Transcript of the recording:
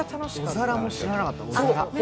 おざらも知らなかった。